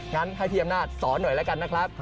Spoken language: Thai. งั้นให้พี่อำนาจสอนหน่อยแล้วกันนะครับ